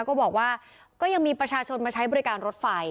ก็บอกว่าก็ยังมีประชาชนมาใช้บริการรถไฟ